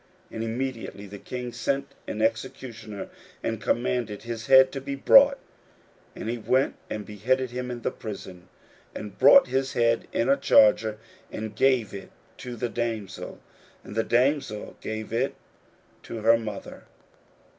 41:006:027 And immediately the king sent an executioner, and commanded his head to be brought: and he went and beheaded him in the prison, 41:006:028 And brought his head in a charger, and gave it to the damsel: and the damsel gave it to her mother.